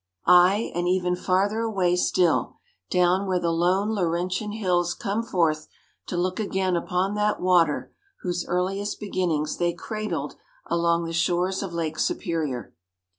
Ay, and even farther away still down where the lone Laurentian Hills come forth to look again upon that water whose earliest beginnings they cradled along the shores of Lake Superior.